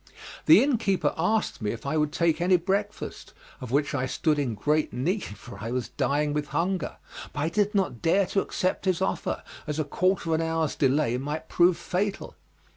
The inn keeper asked me, if I would take any breakfast, of which I stood in great need, for I was dying with hunger, but I did not dare to accept his offer, as a quarter of an hour's delay might prove fatal.